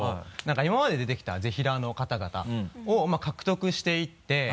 今まで出てきたぜひらーの方々を獲得していって。